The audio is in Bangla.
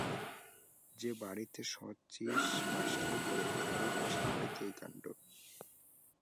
যে বাড়িতে শচীশ মাস্টারি করে তারই পাশের বাড়িতে এই কাণ্ড।